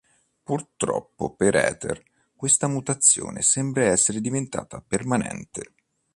Purtroppo per Heather questa mutazione sembra essere diventata permanente.